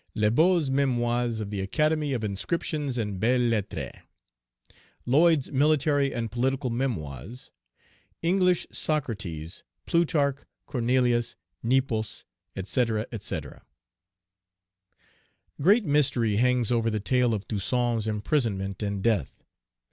Le Beau's Memoirs of the Academy of inscriptions and Belles Lettres. Lloyd's Military and political Memoirs. English Socrates, Plutarch, Cornelius Nepos, &c., &c. Great mystery hangs over the tale of Toussaint's imprisonment and death.